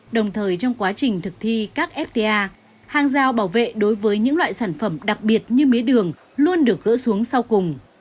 đồng thời trong quá trình thực thi các fta hàng giao bảo vệ đối với những loại sản phẩm đặc biệt như mía đường luôn được gỡ xuống sau cùng